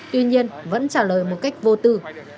tuy nhiên vẫn trả lời một cách vô tư